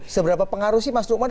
seberapa pengaruh sih mas nukman